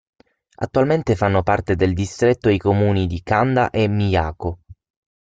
Attualmente fanno parte del distretto i comuni di Kanda e Miyako.